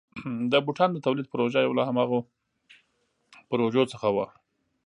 د بوټانو د تولید پروژه یو له همدغو پروژو څخه وه.